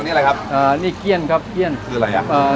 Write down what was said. นี่อะไรครับอ่านี่เกี้ยนครับเกี้ยนคืออะไรอ่ะ